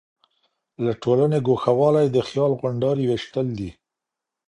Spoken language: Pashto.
له ټولني ګوښه والی د خيال غونډاري ويشتل دي.